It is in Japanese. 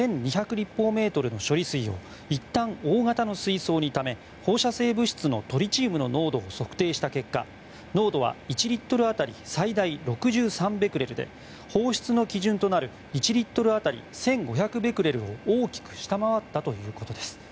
立方メートルの処理水をいったん大型の水槽にため放射性物質のトリチウムの濃度を測定した結果濃度は１リットル当たり最大６３ベクレルで放出の基準となる１リットル当たり１５００ベクレルを大きく下回ったということです。